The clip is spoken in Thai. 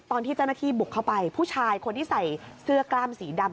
ตอนที่เจ้าหน้าที่บุกเข้าไปผู้ชายคนที่ใส่เสื้อกล้ามสีดำ